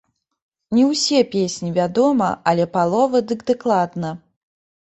Не ўсе песні, вядома, але палова, дык дакладна.